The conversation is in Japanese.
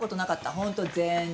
本当全然。